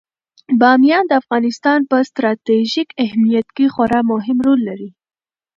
بامیان د افغانستان په ستراتیژیک اهمیت کې خورا مهم رول لري.